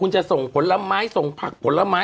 คุณจะส่งผลไม้ส่งผักผลไม้